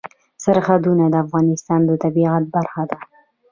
سرحدونه د افغانستان د طبیعت برخه ده.